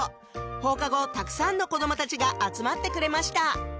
放課後たくさんの子どもたちが集まってくれました